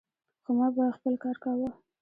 خو ما به خپل کار کاوه.